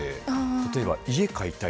例えば家買いたい。